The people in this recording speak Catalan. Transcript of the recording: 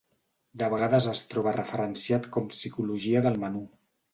De vegades es troba referenciat com psicologia del menú.